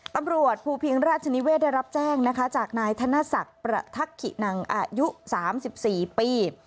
ตำรวจภูพิงราชนิเวศได้รับแจ้งนะคะจากนายธนศักดิ์ประทักขินังอายุ๓๔ปี